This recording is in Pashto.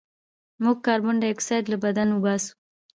موږ کاربن ډای اکسایډ له بدن وباسو